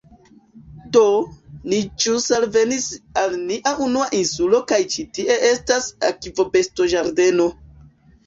Do, ni ĵus alvenis al nia unua insulo kaj ĉi tie estas akvobestoĝardeno